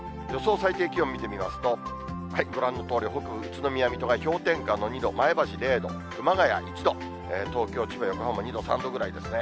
最低気温見てみますと、ご覧のとおり、北部、宇都宮、水戸が氷点下の２度、前橋０度、熊谷１度、東京、千葉、横浜２度、３度ぐらいですね。